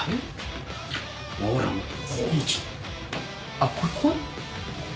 あっここ？